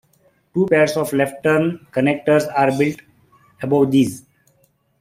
Two pairs of left-turn connectors are built above these.